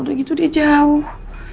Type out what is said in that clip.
udah gitu dia jauh